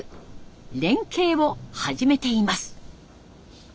連携を始めています。